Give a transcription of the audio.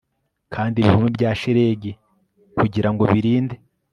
Kandi ibihome bya shelegi kugirango birinde